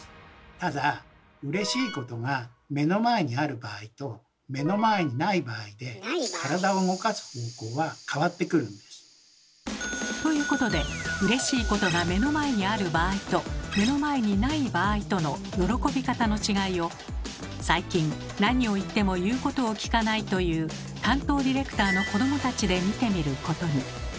ただうれしいことが目の前にある場合と目の前にない場合でということでうれしいことが目の前にある場合と目の前にない場合との喜び方の違いを最近何を言っても言うことを聞かないという担当ディレクターの子どもたちで見てみることに。